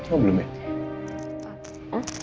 oh belum ya